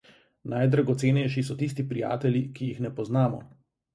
Najdragocenejši so tisti prijatelji, ki jih ne poznamo.